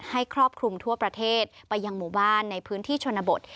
ครอบคลุมทั่วประเทศไปยังหมู่บ้านในพื้นที่ชนบท